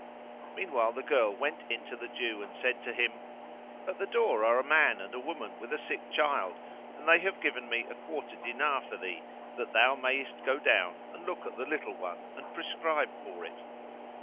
Meanwhile the girl went in to the Jew and said to him, "At the door are a man and a woman with a sick child and they have given me a quarter dinar for thee, that thou mayest go down and look at the little one and prescribe for it."